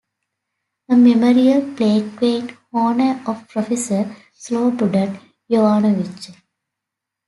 A memorial plaque in honour of Professor Slobodan Yovanovitch.